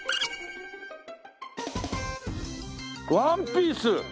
ワンピース！